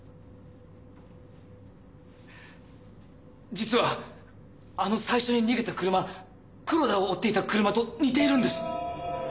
実はあの最初に逃げた車黒田を追っていた車と似ているんです！